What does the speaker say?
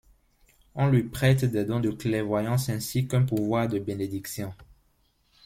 On lui prête des dons de clairvoyance ainsi qu'un pouvoir de bénédiction.